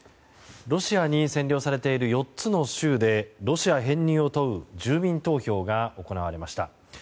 ロシアに占領されている４つの州でロシア編入を問う住民投票が行われました。